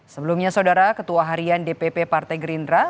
sebelumnya saudara ketua harian dpp partai gerindra